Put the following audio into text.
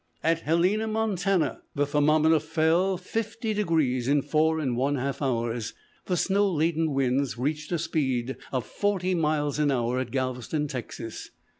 At Helena, Montana, the thermometer fell fifty degrees in four and one half hours. The snow laden wind reached a speed of forty miles an hour at Galveston, Texas.